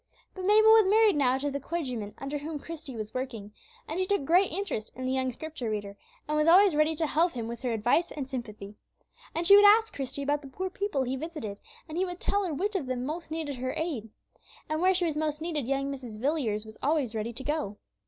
But Mabel was married now to the clergyman under whom Christie was working, and she took great interest in the young Scripture reader, and was always ready to help him with her advice and sympathy. And she would ask Christie about the poor people he visited, and he would tell her which of them most needed her aid. And where she was most needed young Mrs. Villiers was always ready to go.